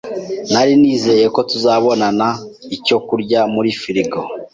Nari nizeye ko tuzabona icyo kurya muri firigo.